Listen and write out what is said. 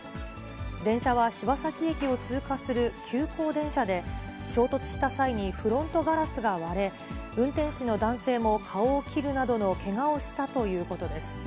電車は柴崎駅を通過する急行電車で、衝突した際にフロントガラスが割れ、運転士の男性も顔を切るなどのけがをしたということです。